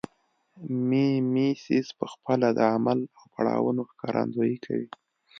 میمیسیس پخپله د عمل او پړاوونو ښکارندویي کوي